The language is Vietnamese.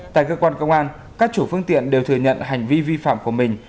tại cơ quan công an các chủ phương tiện đều thừa nhận hành vi vi phạm của mình